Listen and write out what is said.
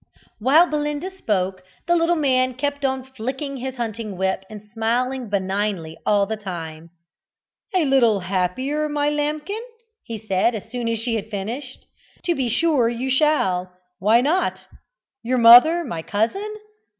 While Belinda spoke the little man kept on flicking his hunting whip and smiling benignly all the time. "A little happier, my lambkin?" he said as soon as she had finished. "To be sure you shall. Why not? Your mother my cousin?